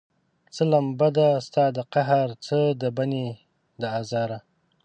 څه لمبه ده ستا د قهر، څه د بني د ازاره